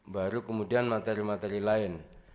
baru kemudian materi materi lain